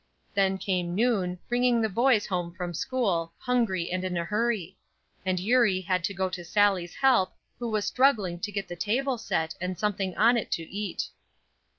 Then came noon bringing the boys home from school, hungry and in a hurry; and Eurie had to go to Sallie's help, who was struggling to get the table set, and something on it to eat.